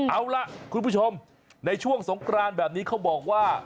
เอาล่ะคุณผู้ชมในช่วงสงกรานแบบนี้เขาบอกว่า